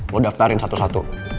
lo daftarin satu satu